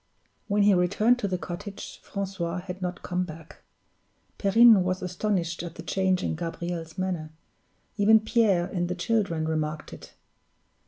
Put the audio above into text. When he returned to the cottage, Francois had not come back. Perrine was astonished at the change in Gabriel's manner; even Pierre and the children remarked it.